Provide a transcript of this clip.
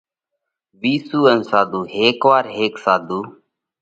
وِيسُو ان ساڌُو: هيڪ وار هيڪ ساڌُو